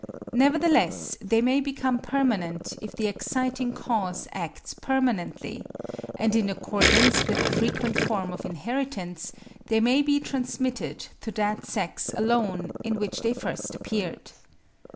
Nevertheless, they may become permanent if the exciting cause acts permanently; and in accordance with a frequent form of inheritance they may be transmitted to that sex alone in which they first appeared.